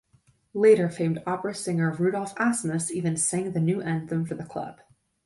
Later famed opera singer Rudolf Asmus even sang the new anthem for the club.